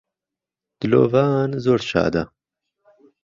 دلۆڤان زۆر شادە